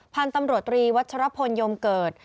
พันธุ์ตำรวจตรีวัชรพลยมเกิด